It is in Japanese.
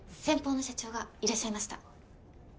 先方の社長がいらっしゃいました。